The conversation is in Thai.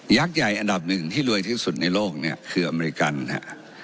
ใหญ่อันดับหนึ่งที่รวยที่สุดในโลกเนี่ยคืออเมริกันฮะ